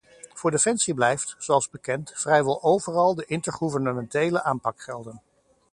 Voor defensie blijft, zoals bekend, vrijwel overal de intergouvernementele aanpak gelden.